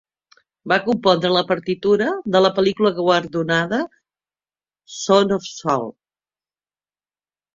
Va compondre la partitura de la pel·lícula guardonada "Son of Saul".